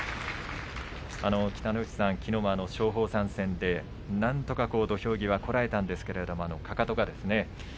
北の富士さん、きのうは松鳳山戦でなんとか土俵際こらえたんですけれどもかかとが。